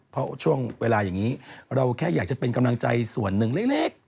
เพราะช่วงเวลาอย่างนี้เราแค่อยากจะเป็นกำลังใจส่วนหนึ่งเล็ก